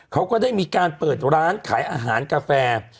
เขาก็ได้มีการเปิดร้านขายอาหารกาแฟ